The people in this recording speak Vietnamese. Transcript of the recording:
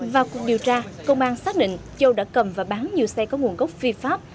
vào cuộc điều tra công an xác định châu đã cầm và bán nhiều xe có nguồn gốc phi pháp